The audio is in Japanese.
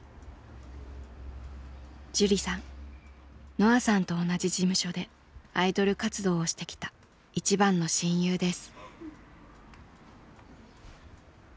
のあさんと同じ事務所でアイドル活動をしてきた一番の親友です。